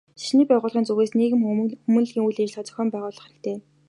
Шашны байгууллагын зүгээс нийгэм хүмүүнлэгийн үйл ажиллагаа зохион явуулах хэрэгтэй.